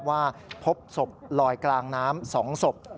ว่าพบศพลอยกลางน้ำ๒ศพ